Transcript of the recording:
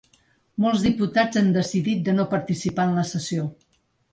Molts diputats han decidit de no participar en la sessió.